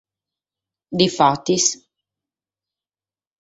Difatis.